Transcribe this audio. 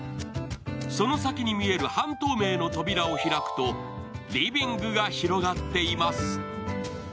その先に見える半透明の扉を開くとリビングが広がっています。